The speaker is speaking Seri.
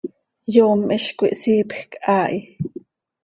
Yom hizcoi hsiipjc haa hi.